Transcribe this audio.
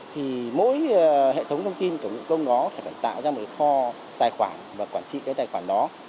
thì mỗi hệ thống thông tin cổng dịch vụ công đó phải tạo ra một cái kho tài khoản và quản trị cái tài khoản đó